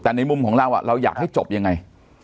แต่ในมุมของเราเราอยากให้จบยังไง